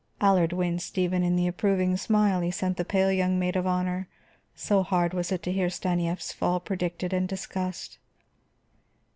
Allard winced even in the approving smile he sent the pale young maid of honor, so hard it was to hear Stanief's fall predicted and discussed.